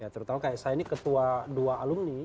terutama kayak saya ini ketua dua alumni